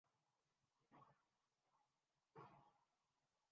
تو دوسرا اسلام آباد۔